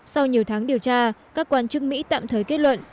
sau nhiều tháng điều tra các quan chức mỹ tạm thời kết luận